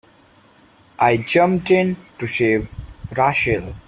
I jumped in to save Rachel.